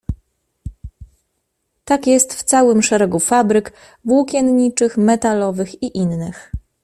"Tak jest w całym szeregu fabryk włókienniczych, metalowych i innych."